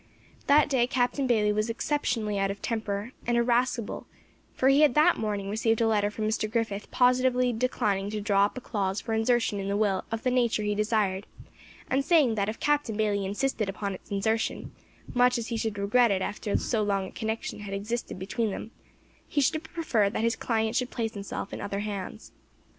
That day Captain Bayley was exceptionally out of temper and irascible, for he had that morning received a letter from Mr. Griffith positively declining to draw up a clause for insertion in the will of the nature he desired, and saying that if Captain Bayley insisted upon its insertion, much as he should regret it after so long a connection had existed between them, he should prefer that his client should place himself in other hands.